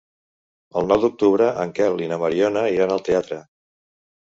El nou d'octubre en Quel i na Mariona iran al teatre.